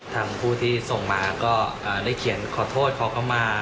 ทางผู้ที่ส่งมาก็ได้เขียนขอโทษขอเข้ามา